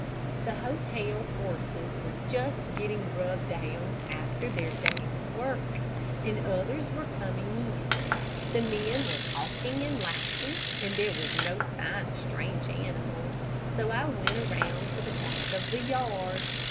The hotel horses were just getting rubbed down after their day's work, and others were coming in. The men were talking and laughing, and there was no sign of strange animals, so I went around to the back of the yard.